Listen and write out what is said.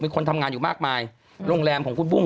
คนทำงานอยู่มากมายโรงแรมของคุณบุ้ง